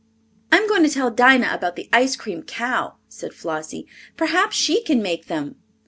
"I'm going to tell Dinah about the ice cream cow," said Flossie. "Perhaps she can make them."